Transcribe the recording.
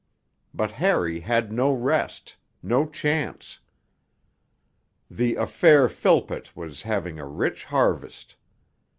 But Harry had no rest, no chance. The affaire Philpott was having a rich harvest.